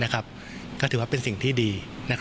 ก็ถือว่าเป็นสิ่งที่ดี